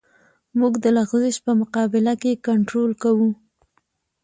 موږ د لغزش په مقابل کې کنټرول کوو